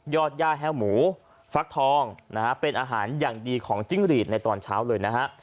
ย่าแห้วหมูฟักทองนะฮะเป็นอาหารอย่างดีของจิ้งหรีดในตอนเช้าเลยนะฮะ